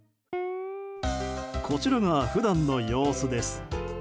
こちらが普段の様子です。